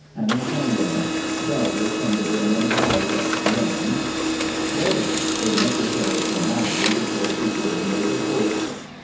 An entanglement. Doubtless from the German weib, woman. WEDDING. A necessary formality before securing a divorce.